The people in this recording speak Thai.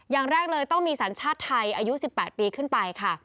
อย่างแรกเลยต้องมีสัญชาติไทยอายุ๑๘ปีขึ้นไปค่ะ